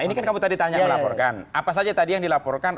ini kan kamu tadi tanya melaporkan apa saja tadi yang dilaporkan